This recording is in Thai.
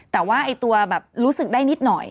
แต่ว่าตัวแบบรู้สึกได้นิดหน่อย